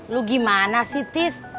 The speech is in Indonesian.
lu gimana sih tis